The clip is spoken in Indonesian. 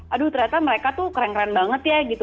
aduh ternyata mereka tuh keren keren banget ya gitu